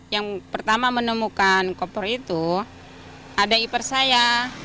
yang pertama menemukan koper itu ada iper saya